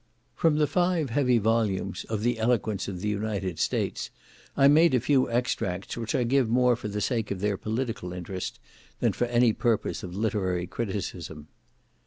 From the five heavy volumes of the "Eloquence of the United States," I made a few extracts, which I give more for the sake of their political interest, than for any purpose of literary criticism.